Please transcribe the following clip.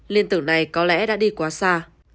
liên tưởng này có lẽ đã đi quá xa